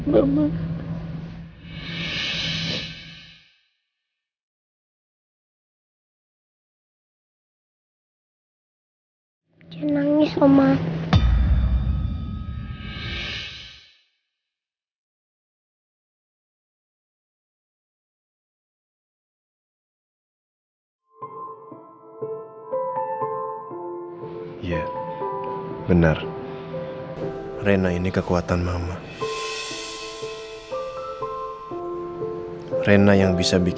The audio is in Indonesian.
mama kenapa sedih